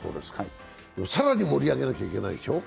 でも、更に盛り上げなきゃいけないでしょう？